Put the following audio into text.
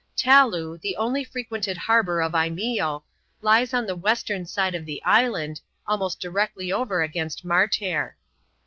Taloo, the only frequented harbour of Imeeo, lies on the western side of the island, almost directly over against Martair.